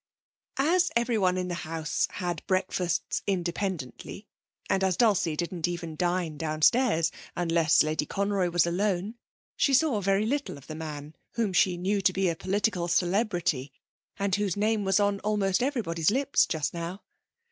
As everyone in the house had breakfasts independently, and as Dulcie didn't even dine downstairs unless Lady Conroy was alone, she saw very little of the man whom she knew to be a political celebrity, and whose name was on almost everybody's lips just now.